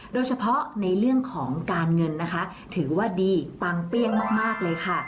โดยเฉพาะในเรื่องของการเงินนะคะถือว่าดีปังเปรี้ยงมากเลยค่ะ